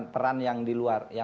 peran yang di luar